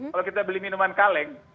kalau kita beli minuman kaleng